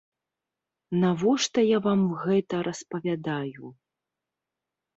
Навошта я вам гэта распавядаю?